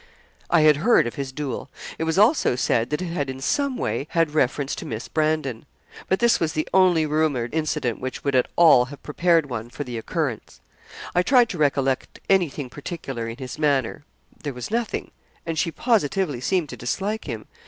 I had heard of his duel. It was also said that it had in some way had reference to Miss Brandon. But this was the only rumoured incident which would at all have prepared one for the occurrence. I tried to recollect anything particular in his manner there was nothing; and she positively seemed to dislike him.